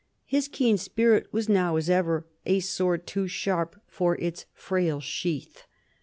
His keen spirit was now, as ever, a sword too sharp for its frail sheath.